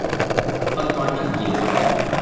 不關緊要